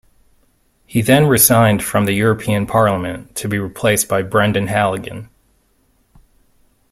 He then resigned from the European Parliament, to be replaced by Brendan Halligan.